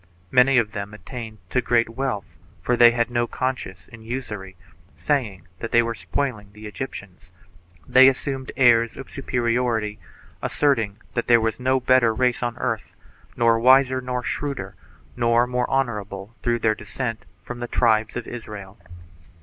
Many of them attained to great wealth, for they had no conscience in usury, saying that they were spoiling the Egyptians. They assumed airs of superi ority, asserting that there was no better race on earth, nor wiser, nor shrewder, nor more honorable through their descent from th£ tribes of Israel.